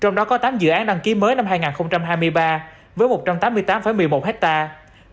trong đó có tám dự án đăng ký mới năm hai nghìn hai mươi ba với một trăm tám mươi tám một mươi một hectare